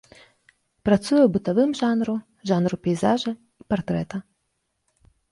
Працуе ў бытавым жанру, жанру пейзажа і партрэта.